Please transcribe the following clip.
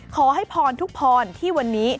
ขอให้พรทุกพรที่วันนี้